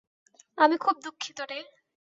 আমি খুব দুঃখিত রে।